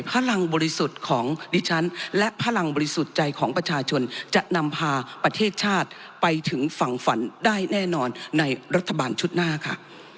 พลังบริสุทธิ์ของดิฉันและพลังบริสุทธิ์ใจของประชาชนจะนำพาประเทศชาติไปถึงฝั่งฝันได้แน่นอนในรัฐบาลชุดหน้าค่ะ